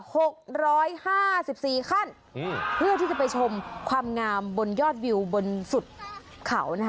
หกร้อยห้าสิบสี่ขั้นอืมเพื่อที่จะไปชมความงามบนยอดวิวบนสุดเขานะคะ